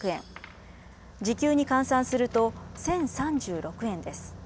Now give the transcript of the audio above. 時給に換算すると１０３６円です。